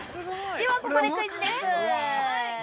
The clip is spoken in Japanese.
◆では、ここでクイズですぅ。